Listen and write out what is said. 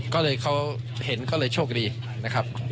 ก็เลยเขาเห็นก็เลยโชคดีนะครับ